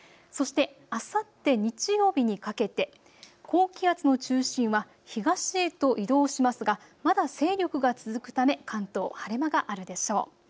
そして、あさって日曜日にかけて高気圧の中心は東へと移動しますがまだ勢力が続くため関東、晴れ間があるでしょう。